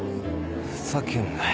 ふざけんなよ。